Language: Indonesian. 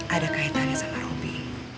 ada kaitannya sama aku